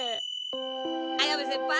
綾部先輩